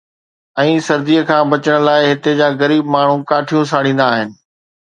۽ سردي کان بچڻ لاءِ هتي جا غريب ماڻهو ڪاٺيون ساڙيندا آهن.